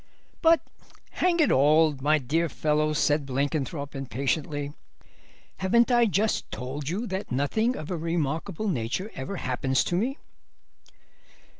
'" "But hang it all, my dear fellow," said Blenkinthrope impatiently, "haven't I just told you that nothing of a remarkable nature ever happens to me?"